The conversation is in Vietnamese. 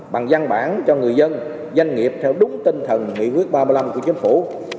bằng văn bản cho người dân doanh nghiệp theo đúng tinh thần nghị quyết ba mươi năm của chính phủ